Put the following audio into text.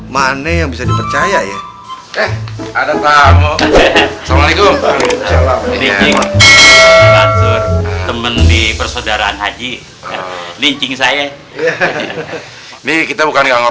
paku paku dicabutin dong